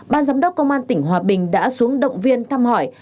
ban giám đốc công an tỉnh hòa bình đã xuống động viên thăm hỏi